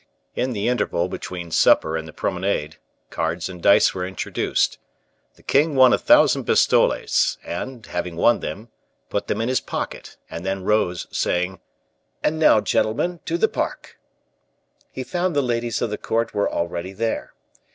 In the interval between supper and the promenade, cards and dice were introduced. The king won a thousand pistoles, and, having won them, put them in his pocket, and then rose, saying, "And now, gentlemen, to the park." He found the ladies of the court were already there.